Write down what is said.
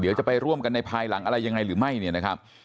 เดี๋ยวจะไปร่วมกันในภายหลังอะไรยังไงหรือไม่เนี่ยนะครับ